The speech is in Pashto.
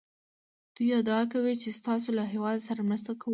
دوی ادعا کوي چې ستاسو له هېواد سره مرسته کوو